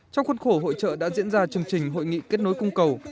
trong khuôn khổ hội trợ đã diễn ra chương trình hội nghị kết nối cung cầu